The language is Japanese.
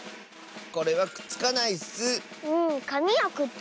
これはくっつかないッス！